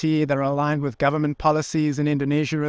yang terhubung dengan kebijakan pemerintah di indonesia juga